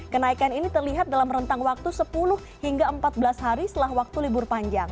kenaikan ini terlihat dalam rentang waktu sepuluh hingga empat belas hari setelah waktu libur panjang